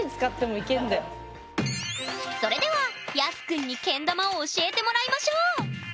それではＹＡＳＵくんにけん玉を教えてもらいましょう。